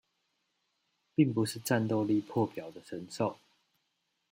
並不是戰鬥力破表的神獸